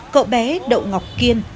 cậu bé đậu ngọc kiên